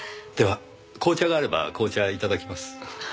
では紅茶があれば紅茶頂きます。